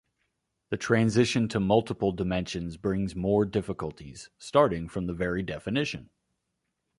The transition to multiple dimensions brings more difficulties, starting from the very definition.